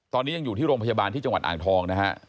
ตอนนี้ยังอยู่ที่โรงพยาบาลที่จังหวัดอ่างทองนะฮะ